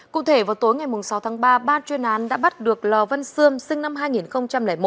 cụ thể vào tối ngày sáu tháng ba ban chuyên án đã bắt được lò văn sươm sinh năm hai nghìn một